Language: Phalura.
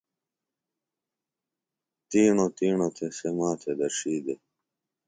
تِیݨوۡ تِیݨوۡ تھےۡ سےۡ ما تھےۡ دڇھی دےۡ۔